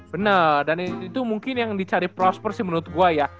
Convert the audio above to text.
benar dan itu mungkin yang dicari prosper sih menurut gue ya